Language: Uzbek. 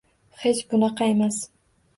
Hech bunaqa emas!